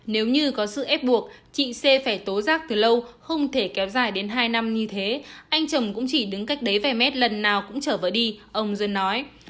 nếu như có sự ép buộc chị c phải tố rác từ lâu không thể kéo dài đến hai năm như thế anh chồng cũng chỉ đứng cách đấy vài mét lần nào cũng trở vời đi ông duân nói